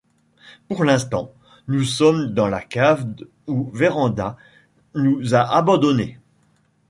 Pour l’instant, nous sommes dans la cave où Vérand'a nous a abandonnés.